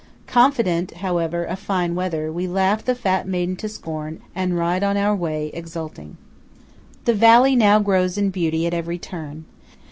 Confident, however, of fine weather, we laugh the fat maiden to scorn, and ride on our way, exulting. The valley now grows in beauty at every turn.